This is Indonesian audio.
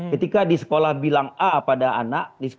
ketika di sekolah bilang a pada anak